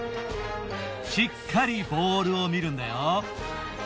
しっかりボールを見るんだよ。